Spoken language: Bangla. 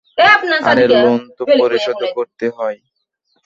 আরে লোন তো পরিশোধও করতে হয়।